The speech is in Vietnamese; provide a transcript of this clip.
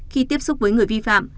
khi tiếp xúc với người vi phạm